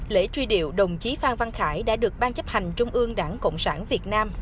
lễ truy điệu đồng chí phan văn khải đã được ban chấp hành trung ương đảng cộng sản việt nam